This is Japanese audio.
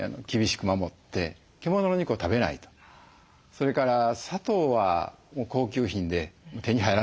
それから砂糖は高級品で手に入らないです。